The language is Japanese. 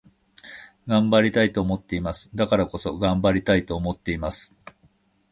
頑張りたいと思っています。だからこそ、頑張りたいと思っています。